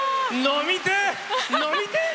飲みてえ！